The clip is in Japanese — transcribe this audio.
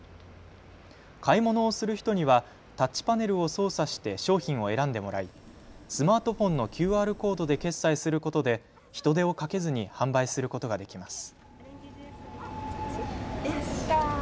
買い物をする人にはタッチパネルを操作して商品を選んでもらいスマートフォンのＱＲコードで決済することで人手をかけずに販売することができます。